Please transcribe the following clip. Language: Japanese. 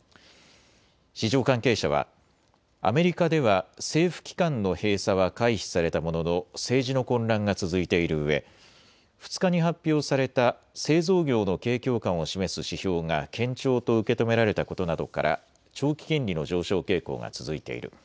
市場関係者はアメリカでは政府機関の閉鎖は回避されたものの政治の混乱が続いているうえ２日に発表された製造業の景況感を示す指標が堅調と受け止められたことなどから長期金利の上昇傾向が続いている。